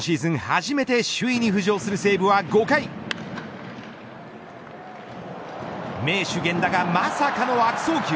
初めて首位に浮上する西武は５回名手源田がまさかの悪送球